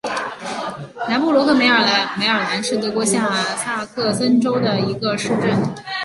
南布罗克梅尔兰是德国下萨克森州的一个市镇。